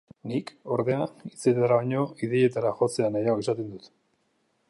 Nik, ordea, hitzetara baino ideietara jotzea nahiago izaten dut.